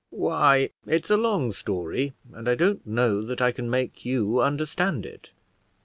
"Why, it's a long story, and I don't know that I can make you understand it.